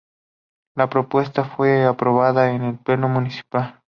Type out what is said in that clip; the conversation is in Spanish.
La propuesta fue aprobada en pleno municipal.